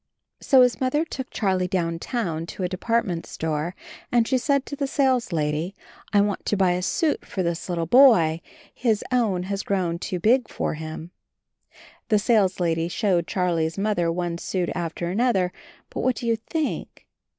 So his Mother took Charlie downtown to a department store, and she said to the sales lady, "I want to buy a suit for this little boy. His own has grown too big for him." The saleslady showed Charlie's Mother one suit after another — but what do you think?